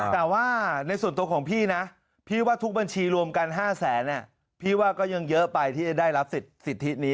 แต่ว่าในส่วนตัวของพี่นะพี่ว่าทุกบัญชีรวมกัน๕แสนพี่ว่าก็ยังเยอะไปที่จะได้รับสิทธินี้